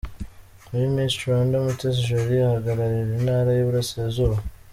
Muri Miss Rwanda, Mutesi Jolly ahagarariye Intara y’Uburasirazuba.